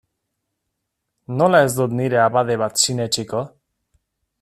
Nola ez dut nire abade bat sinetsiko?